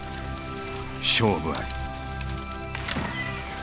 勝負あり。